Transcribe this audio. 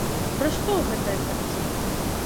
Пра што гэтая карціна?